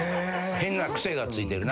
変な癖がついてるな。